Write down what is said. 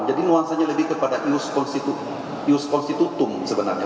jadi nuansanya lebih kepada ius constitutum sebenarnya